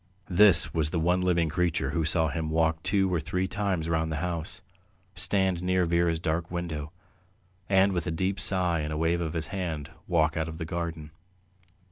This was the one living creature who saw him walk two or three times round the house, stand near Vera's dark window, and with a deep sigh and a wave of his hand walk out of the garden.